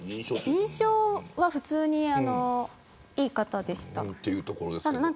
印象は普通にいい方でした。